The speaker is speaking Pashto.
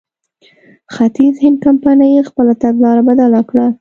ختیځ هند کمپنۍ خپله تګلاره بدله کړه.